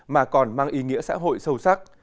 mà còn mang ý nghĩa xã hội sâu sắc